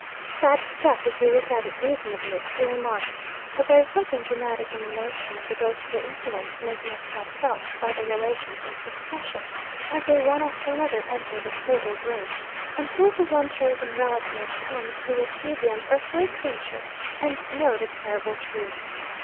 'Sad stuff, if you look at it reasonably,' he remarked. 'But there is something dramatic in the notion of the ghostly influence making itself felt by the relations in succession, as they one after another enter the fatal room until the one chosen relative comes who will see the Unearthly Creature, and know the terrible truth.